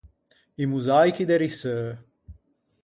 I mosaichi de risseu.